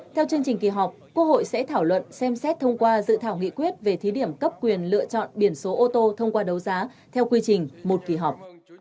theo chương trình kỳ họp quốc hội sẽ thảo luận xem xét thông qua dự thảo nghị quyết về thí điểm cấp quyền lựa chọn biển số ô tô thông qua đấu giá theo quy trình một kỳ họp